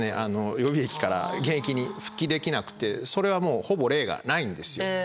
予備役から現役に復帰できなくてそれはもうほぼ例がないんですよ。